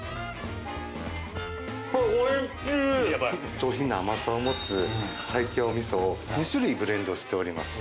上品な甘さを持つ西京味噌を２種類ブレンドしております。